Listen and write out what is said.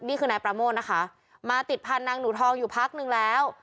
นี่คือนายประโมทนะคะมาติดพันธนางหนูทองอยู่พักนึงแล้ว